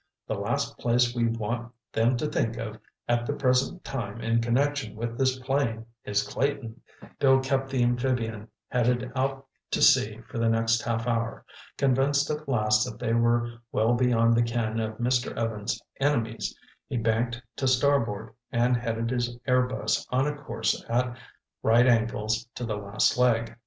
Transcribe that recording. The last place we want them to think of at the present time in connection with this plane is Clayton!" Bill kept the amphibian headed out to sea for the next half hour. Convinced at last that they were well beyond the ken of Mr. Evans' enemies, he banked to starboard and headed his airbus on a course at right angles to the last leg.